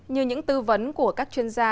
như những tư vấn của các chuyên gia